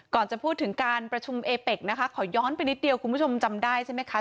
จะพูดถึงการประชุมเอเป็กนะคะขอย้อนไปนิดเดียวคุณผู้ชมจำได้ใช่ไหมคะ